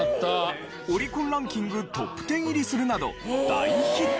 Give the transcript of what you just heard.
オリコンランキングトップ１０入りするなど大ヒット。